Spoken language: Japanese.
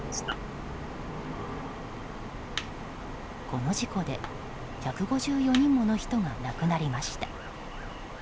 この事故で１５４人もの人が亡くなりました。